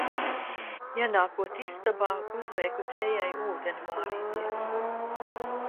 Ienākot istabā, uzlieku tējai ūdeni vārīties.